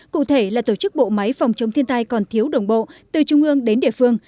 cụ thể là tổ chức bộ máy phòng chống thiên tai còn thiếu đồng bộ từ trung ương đến địa phương